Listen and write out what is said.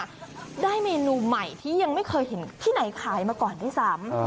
ได้เมนูใหม่ที่ยังไม่เคยเห็นที่ไหนขายมาก่อนด้วยซ้ำ